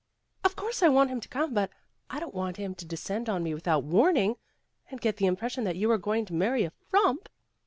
'' Of course, I want him to come. But I don 't want him to descend on me without warning, and get the impression that you are going to marry a frump."